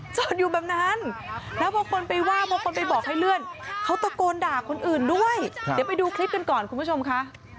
จอดอยู่แบบนั้นแล้วพอคนไปว่าพอคนไปบอกให้เลื่อนเขาตะโกนด่าคนอื่นด้วยเดี๋ยวไปดูคลิปกันก่อนคุณผู้ชมค่ะ